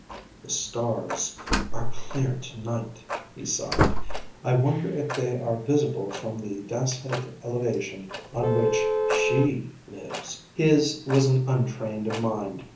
"The stars are clear to night," he sighed. "I wonder if they are visible from the dacite elevation on which SHE lives." His was an untrained mind.